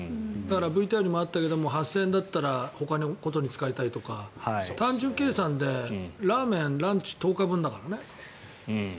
ＶＴＲにもあったけど８０００円だったらほかのことに使いたいとか単純計算でラーメン、ランチ１０日分だからね。